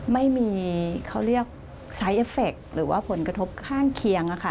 ไม่มีสายเอฟเฟคหรือว่าผลกระทบข้างเคียงค่ะ